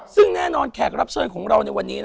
ซึ่งแน่นอนแขกรับเสียงของเราในวันนี้นะฮะ